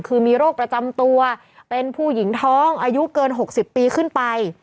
คือมีโรคประจำตัวเป็นผู้หญิงท้องอายุเกิน๖๐ปีขึ้นไป